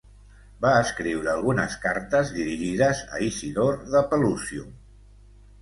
Va escriure algunes cartes dirigides a Isidor de Pelusium.